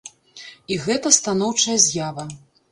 І гэта станоўчая з'ява.